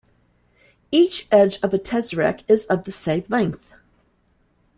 Each edge of a tesseract is of the same length.